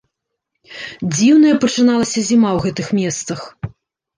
Дзіўная пачыналася зіма ў гэтых месцах.